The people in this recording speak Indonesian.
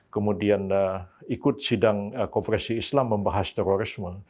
kemudian ikut sidang konferensi islam membahas terorisme